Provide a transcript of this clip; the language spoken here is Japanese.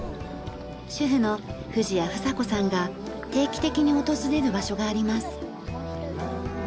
主婦の藤谷房子さんが定期的に訪れる場所があります。